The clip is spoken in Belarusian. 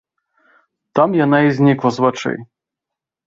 Там яна і знікла з вачэй.